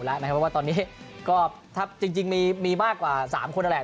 เพราะว่าตอนนี้ก็ถ้าจริงมีมากกว่า๓คนนั่นแหละ